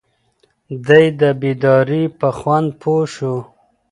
دی د بیدارۍ په خوند پوه شو.